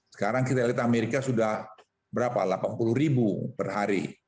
sekarang kita lihat amerika sudah berapa delapan puluh ribu per hari